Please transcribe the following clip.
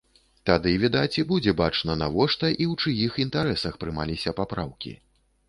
Тады, відаць, і будзе бачна, навошта і ў чыіх інтарэсах прымаліся папраўкі.